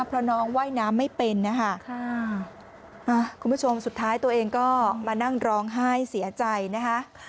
เพราะน้องว่ายน้ำไม่เป็นนะคะคุณผู้ชมสุดท้ายตัวเองก็มานั่งร้องไห้เสียใจนะคะ